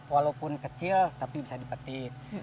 walaupun kecil tapi bisa dipetik